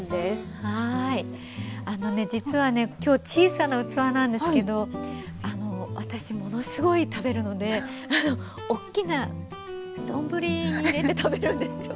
あのね実はね今日小さな器なんですけど私ものすごい食べるのでおっきな丼に入れて食べるんですよ。